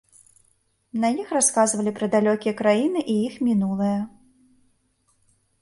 На іх расказвалі пра далёкія краіны і іх мінулае.